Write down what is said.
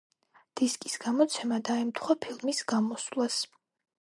დისკის გამოცემა დაემთხვა ფილმის გამოსვლას.